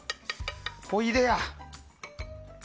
ほいでや。